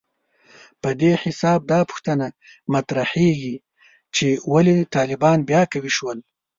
په دې حساب دا پوښتنه مطرحېږي چې ولې طالبان بیا قوي شول